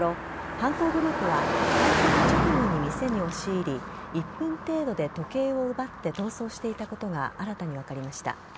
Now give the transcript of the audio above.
犯行グループは開店直後に店に押し入り１分程度で時計を奪って逃走していたことが新たに分かりました。